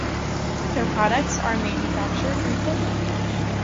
Their products are manufactured in Finland.